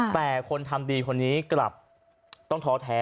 แต่คนทำดีคนนี้กลับต้องท้อแท้